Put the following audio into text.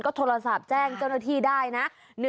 โทรศัพท์แจ้งเจ้าหน้าที่ได้นะ